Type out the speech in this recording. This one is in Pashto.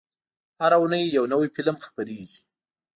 هره اونۍ یو نوی فلم خپرېږي.